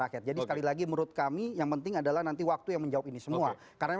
rakyat jadi sekali lagi menurut kami yang penting adalah nanti waktu yang menjawab ini semua karena